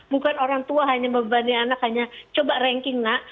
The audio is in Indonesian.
bukan orang tua hanya membebani anak hanya coba ranking nak